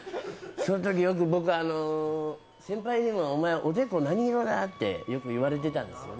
そのとき僕はよく先輩にもよくおでこ、何色だってよく言われてたんですよ。